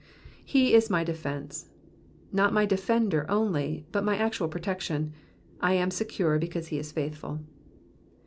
''Ee is my defence.'^ Not my defender only, but my actual protection. I am secure, because he is faithful.